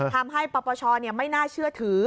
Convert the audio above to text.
ทำให้ปรปชเนี่ยไม่น่าเชื่อถือ